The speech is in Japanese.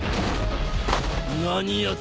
何やつ！？